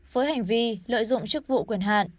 với hành vi lợi dụng chức vụ quyền hạn